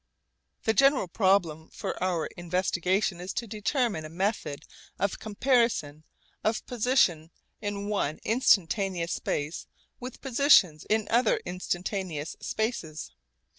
The general problem for our investigation is to determine a method of comparison of position in one instantaneous space with positions in other instantaneous spaces.